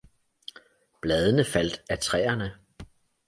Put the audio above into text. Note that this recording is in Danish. bladene faldt af træerne.